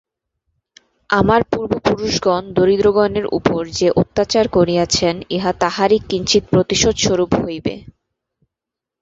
আমার পূর্বপুরুষগণ দরিদ্রগণের উপর যে অত্যাচার করিয়াছেন, ইহা তাহারই কিঞ্চিৎ প্রতিশোধস্বরূপ হইবে।